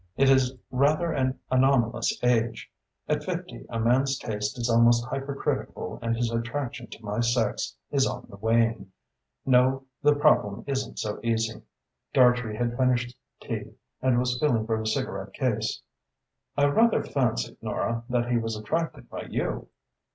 "It is rather an anomalous age. At fifty a man's taste is almost hypercritical and his attraction to my sex is on the wane. No, the problem isn't so easy." Dartrey had finished tea and was feeling for his cigarette case. "I rather fancied, Nora, that he was attracted by you."